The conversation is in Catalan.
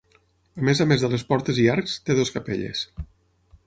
A més a més de les portes i arcs, té dues capelles.